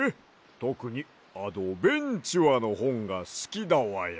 とくに「あどべんちゅあ」のほんがすきだわや！